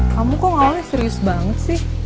kamu kok awalnya serius banget sih